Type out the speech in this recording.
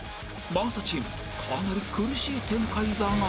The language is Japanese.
真麻チームかなり苦しい展開だが